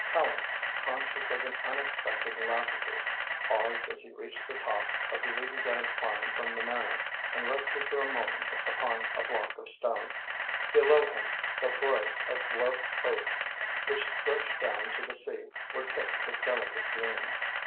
Tallente, conscious of an unexpected lassitude, paused as he reached the top of the zigzag climb from the Manor and rested for a moment upon a block of stone. Below him, the forests of dwarf oaks which stretched down to the sea were tipped with delicate green.